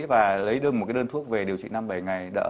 và lấy đưa một cái đơn thuốc về điều trị năm bảy ngày đỡ